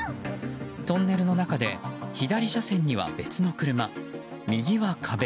トンネルの中で左車線には別の車右は壁。